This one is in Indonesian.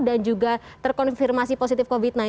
dan juga terkonfirmasi positif covid sembilan belas